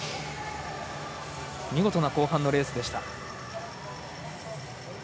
見事な後半のレースでした。